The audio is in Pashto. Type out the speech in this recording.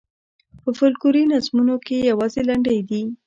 په فوکلوري نظمونو کې یوازې لنډۍ دي.